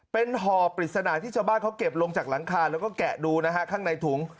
เป็นห่อปริศนาที่ชาวบ้านเขาเก็บลงจากหลังคาแล้วก็แกะดูนะฮะข้างในถุง